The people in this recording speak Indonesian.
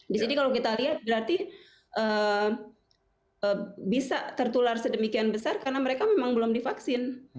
di sini kalau kita lihat berarti bisa tertular sedemikian besar karena mereka memang belum divaksin